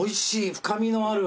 深みのある。